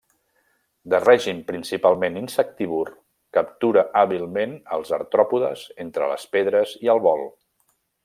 De règim principalment insectívor, captura hàbilment els artròpodes entre les pedres i al vol.